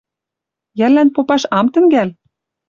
Йӓллӓн попаш ам тӹнгӓл?